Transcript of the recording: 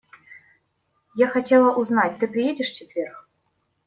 Я хотела узнать, ты приедешь в четверг?